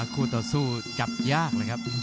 คู่ต่อสู้จับยากเลยครับ